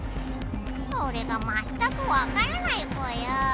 それがまったくわからないぽよ。